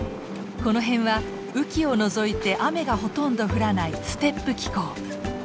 この辺は雨季を除いて雨がほとんど降らないステップ気候。